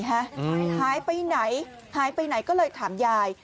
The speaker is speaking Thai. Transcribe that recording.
หายไปไหนหายไปไหนก็เลยถามยาย